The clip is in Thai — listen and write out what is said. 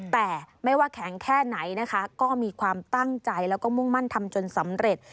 แต่ไม่ว่าแข็งแค่ไหนนะคะก็มีความตั้งใจแล้วก็มุ่งมั่นทำจนสำเร็จ